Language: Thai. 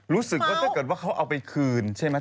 รู้สึกว่าถ้าเกิดว่าเขาเอาไปคืนใช่ไหม